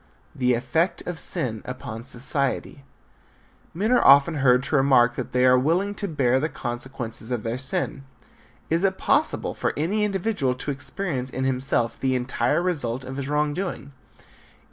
VI. THE EFFECT OF SIN UPON SOCIETY. Men are often heard to remark that they are willing to bear the consequences of their sin. Is it possible for any individual to experience in himself the entire result of his wrong doing?